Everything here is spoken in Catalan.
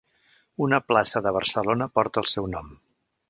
Una plaça de Barcelona porta el seu nom.